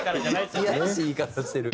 いやらしい言い方してる。